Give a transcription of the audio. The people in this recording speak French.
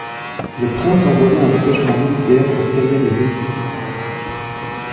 Le prince envoya un détachement militaire pour calmer les esprits.